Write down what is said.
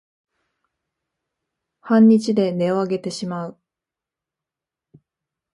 半日で音をあげてしまう